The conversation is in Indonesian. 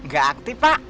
gak aktif pak